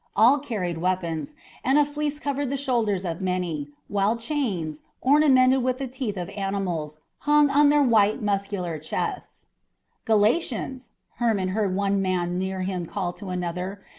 All carried weapons, and a fleece covered the shoulders of many, while chains, ornamented with the teeth of animals, hung on their white muscular chests. "Galatians," Hermon heard one man near him call to another.